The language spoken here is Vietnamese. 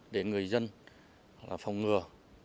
để người dân phòng ngừa